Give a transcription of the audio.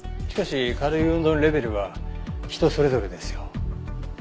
しかし軽い運動のレベルは人それぞれですよ。